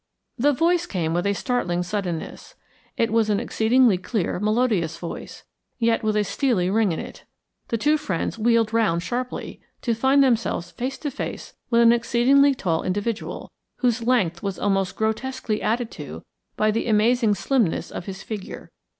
The voice came with a startling suddenness. It was an exceedingly clear, melodious voice, yet with a steely ring in it. The two friends wheeled round sharply to find themselves face to face with an exceedingly tall individual, whose length was almost grotesquely added to by the amazing slimness of his figure.